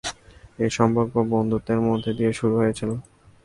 এই সম্পর্ক বন্ধুত্বের মধ্য দিয়ে শুরু হয়েছিল।